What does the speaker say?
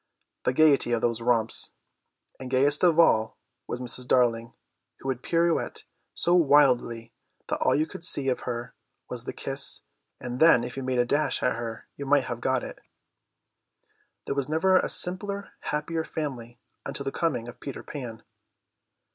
The gaiety of those romps! And gayest of all was Mrs. Darling, who would pirouette so wildly that all you could see of her was the kiss, and then if you had dashed at her you might have got it. There never was a simpler happier family until the coming of Peter Pan.